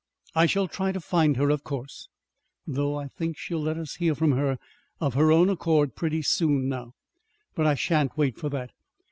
"I shall try to find her, of course, though I think she'll let us hear from her of her own accord, pretty soon, now. But I shan't wait for that.